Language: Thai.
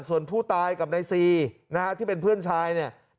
ส่วนผู้ตายกับนายซีนะฮะที่เป็นเพื่อนชายเนี่ย